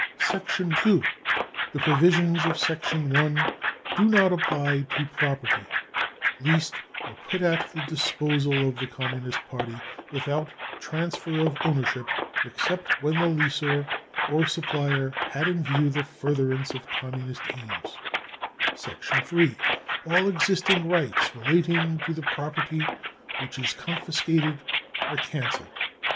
II. Tke provisions of Section I do not apply to property leased or put at the disposal of the Communist Party without transfer of ownership, except when the lessor • or supplier had in view the furtherance of Communist I56 BROWN BOOK OF THE HITLER TERROR <c III. All existing rights relating to* the property which is , confiscated are cancelled.